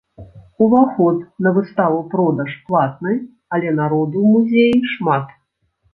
Уваход на выставу-продаж платны, але народу ў музеі шмат.